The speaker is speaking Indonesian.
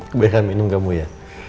kebaikan minum kamu ya